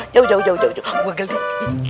jauh jauh jauh gue gel gel